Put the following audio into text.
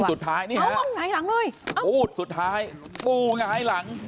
สุดท้ายนี่ฮะหงายหลังเลยปูดสุดท้ายปูหงายหลัง